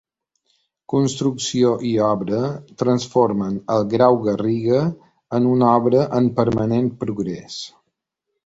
Construcció i Obra transformen el Grau Garriga en una obra en permanent progrés.